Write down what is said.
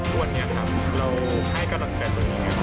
ดังนี้ครับเราให้กำลังใจตัวเอง